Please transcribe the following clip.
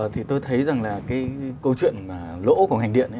thì tôi thấy rằng là cái câu chuyện lỗ của ngành điện